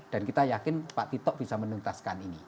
dan kita yakin pak tito bisa menuntaskan ini